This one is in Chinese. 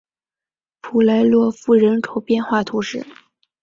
普莱洛夫人口变化图示